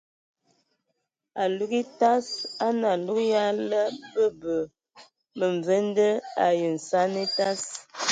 Alug etas a nə alug ya la bəbə məmvende ai nsanəŋa atas.